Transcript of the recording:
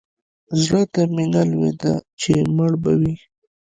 زړه ته مې نه لوېده چې مړ به وي.